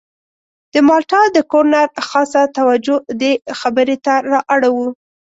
د مالټا د ګورنر خاصه توجه دې خبرې ته را اړوو.